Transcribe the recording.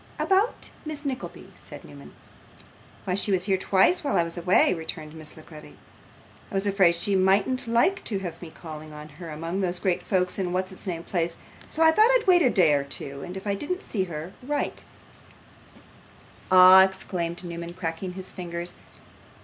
'About Miss Nickleby ' said Newman. 'Why, she was here twice while I was away,' returned Miss La Creevy. 'I was afraid she mightn't like to have me calling on her among those great folks in what's its name Place, so I thought I'd wait a day or two, and if I didn't see her, write.' 'Ah!' exclaimed Newman, cracking his fingers.